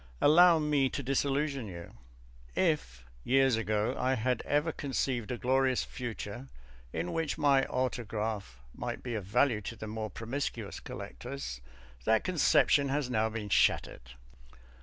Allow me to disillusion you. If, years ago, I had ever conceived a glorious future in which my autograph might be of value to the more promiscuous collectors, that conception has now been shattered.